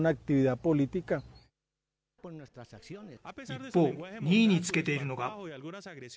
一方、２位につけているのが。